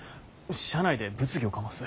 社内で物議を醸す。